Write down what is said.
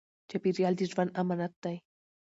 چاپېریال د ژوند امانت دی.